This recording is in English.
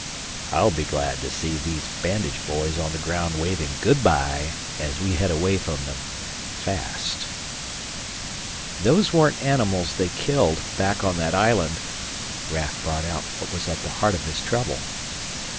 "I'll be glad to see these bandaged boys on the ground waving good bye as we head away from them fast " "Those weren't animals they killed back on that island." Raf brought out what was at the heart of his trouble.